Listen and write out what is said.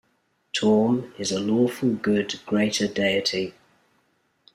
Torm is a Lawful Good greater deity.